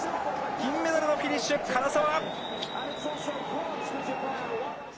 銀メダルのフィニッシュ、唐澤。